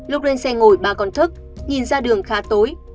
lúc lên xe ngồi bà còn thức nhìn ra đường khá tối